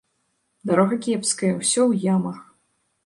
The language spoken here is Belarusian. Дарога кепская, усё ў ямах.